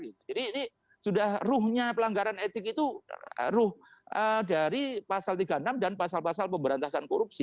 jadi ini sudah ruhnya pelanggaran etik itu ruh dari pasal tiga puluh enam dan pasal pasal pemberantasan korupsi